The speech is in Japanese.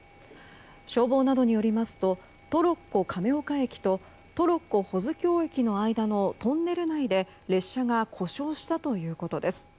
消防などによりますとトロッコ亀岡駅とトロッコ保津峡駅の間のトンネル内で列車が故障したということです。